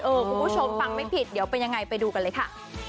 คุณผู้ชมฟังไม่ผิดเดี๋ยวเป็นยังไงไปดูกันเลยค่ะ